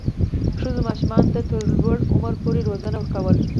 ښځو ماشومانو ته تر لوړ عمر پورې روزنه ورکوله.